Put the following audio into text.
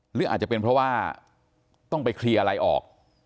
หรืออาจจะเป็นเพราะว่าต้องไปเคลียร์อะไรออก